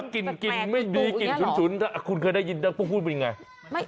กลิ่นกลิ่นคุณเคยได้ยินพูดมันยังไง